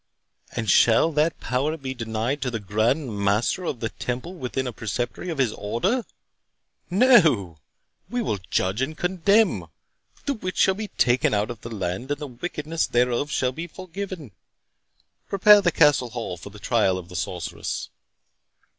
And shall that power be denied to the Grand Master of the Temple within a preceptory of his Order?—No!—we will judge and condemn. The witch shall be taken out of the land, and the wickedness thereof shall be forgiven. Prepare the Castle hall for the trial of the sorceress."